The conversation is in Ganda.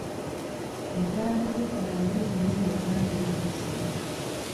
Enkaayana z'ettaka nnyingi nnyo mu Uganda ennaku zino.